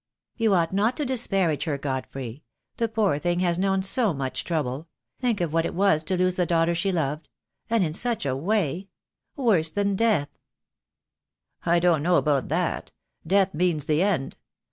"You ought not to disparage her, Godfrey. The poor thing has known so much trouble — think of what it was to lose the daughter she loved — and in such a way — worse than death." *]2 THE DAY WILL COME. "I don't know about that. Death means the end.